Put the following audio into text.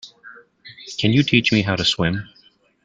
Can you teach me how to swim?